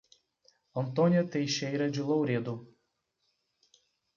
Antônia Texeira de Louredo